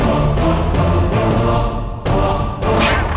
hantunya gak ada kakinya